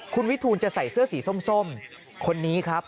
คุณวิทูลจะใส่เสื้อสีส้มคนนี้ครับ